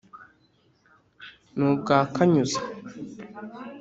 Ni ubwa Kanyuza*